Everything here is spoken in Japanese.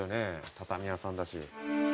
畳屋さんだし。